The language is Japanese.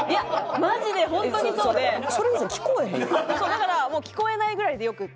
だからもう聞こえないぐらいでよくて。